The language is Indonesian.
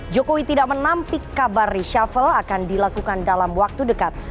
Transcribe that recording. jokowi tidak menampik kabar reshuffle akan dilakukan dalam waktu dekat